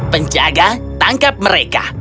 penjaga tangkap mereka